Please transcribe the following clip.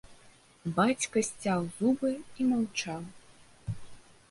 Бацька сцяў зубы і маўчаў.